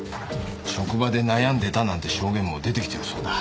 職場で悩んでたなんて証言も出てきてるそうだ。